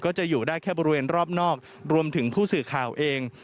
จะอยู่ได้แค่บริเวณรอบนอกรวมถึงผู้สื่อข่าวเอง